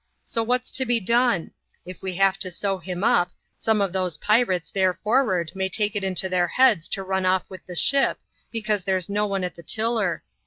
So what's to be done ? If w< have to sew him up, some of those pirates there for'ard maj take it into their heads to run off with the ship, because there' no one at the tiller.